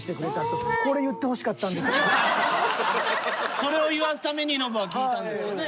それ言わすためにノブは聞いたんですよねぇ？